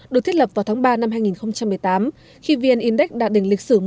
được thiết lập vào tháng ba năm hai nghìn hai mươi